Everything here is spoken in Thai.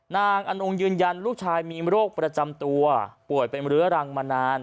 อนงยืนยันลูกชายมีโรคประจำตัวป่วยเป็นเรื้อรังมานาน